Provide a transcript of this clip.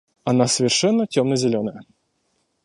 Она совершенно темно-зеленая.